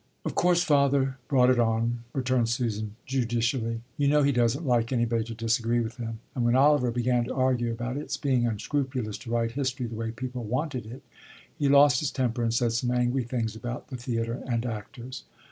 "Of course father brought it on," returned Susan judicially. "You know he doesn't like anybody to disagree with him, and when Oliver began to argue about its being unscrupulous to write history the way people wanted it, he lost his temper and said some angry things about the theatre and actors."